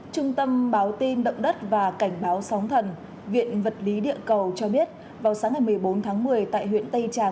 trung tâm báo tin động đất và cảnh báo sóng thần viện vật lý địa cầu cho biết vào sáng ngày một mươi bốn tháng một mươi tại huyện tây trà